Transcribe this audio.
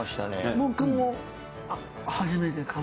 僕も、初めてかな。